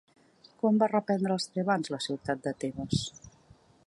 Quan van reprendre els tebans la ciutat de Tebes?